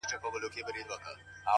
لوړ هدفونه ژوره ژمنتیا غواړي.!